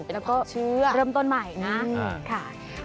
แล้วก็เชื่อเริ่มต้นใหม่นะค่ะ